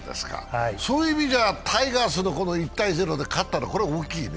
そういう意味じゃ、タイガースに１−０で勝ったのは大きいね。